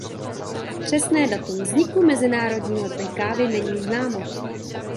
Přesné datum vzniku Mezinárodního dne kávy není známo.